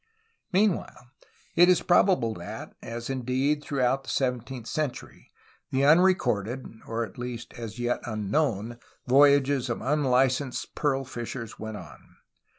Meanwhile, it is probable that, as indeed throughout the sev enteenth century, the unrecorded (or at least as yet un known) voyages of unlicensed pearl fishers went on.